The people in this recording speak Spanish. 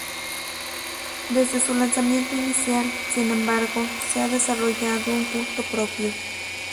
Desde su lanzamiento inicial, sin embargo, se ha desarrollado un culto propio.